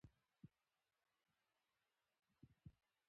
دوی به یې مړی ښخ کړي.